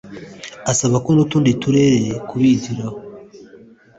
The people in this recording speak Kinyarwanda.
asaba ko n’utundi turere kubigiraho